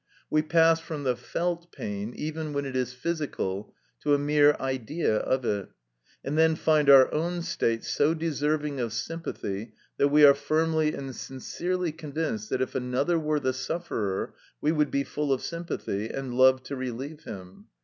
We pass from the felt pain, even when it is physical, to a mere idea of it, and then find our own state so deserving of sympathy that we are firmly and sincerely convinced that if another were the sufferer, we would be full of sympathy, and love to relieve him.